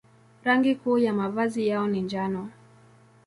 Rangi kuu ya mavazi yao ni njano.